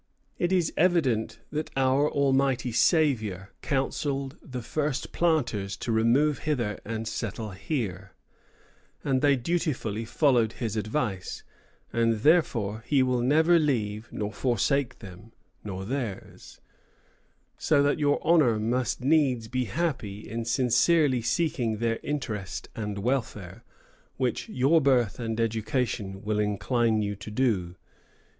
It is evident that our Almighty Saviour counselled the first planters to remove hither and Settle here, and they dutifully followed his Advice, and therefore He will never leave nor forsake them nor Theirs; so that your Honour must needs be happy in sincerely seeking their Interest and Welfare, which your Birth and Education will incline you to do.